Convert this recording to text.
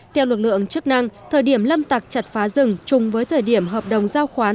theo lực lượng chức năng thời điểm lâm tặc chặt phá rừng chung với thời điểm hợp đồng giao khoán